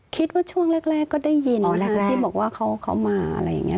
คิดว่าช่วงแรกก็ได้ยินที่บอกว่าเขามาอะไรอย่างนี้